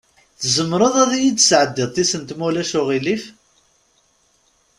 Tzemreḍ ad yid-tesɛeddiḍ tisent, ma ulac aɣilif?